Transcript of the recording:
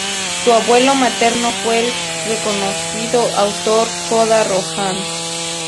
Su abuelo materno fue el reconocido autor Kōda Rohan.